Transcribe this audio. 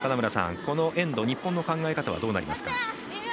改めて金村さん、このエンド日本の考え方はどうなりますか？